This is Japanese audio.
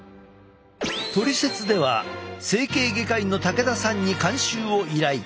「トリセツ」では整形外科医の武田さんに監修を依頼。